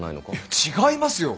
違いますよ！